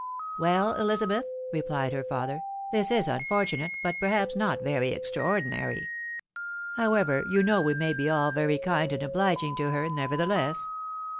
" Well, Elizabeth !" replied her father, " this is unfortunate, but perhaps not very extraordinary. However, you know we may be all very kind and obliging to her, nevertheless."